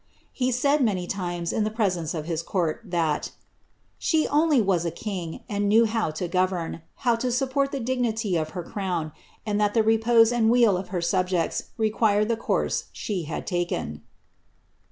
He said, many time. in the presence of his court, that " she only was a king, and knew ho» to govern — how to support the dignity of her crown; and that itf repose and weal of her subjects required the course she had taken."'